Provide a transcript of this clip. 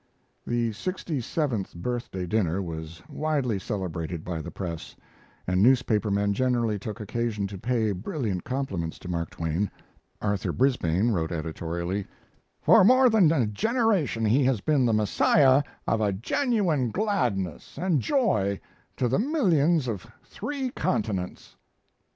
The sixty seventh birthday dinner was widely celebrated by the press, and newspaper men generally took occasion to pay brilliant compliments to Mark Twain. Arthur Brisbane wrote editorially: For more than a generation he has been the Messiah of a genuine gladness and joy to the millions of three continents.